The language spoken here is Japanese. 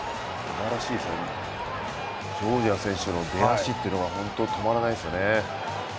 ジョージアの選手の出だしというのが本当に止まらないですよね。